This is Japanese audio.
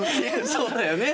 そうだよね。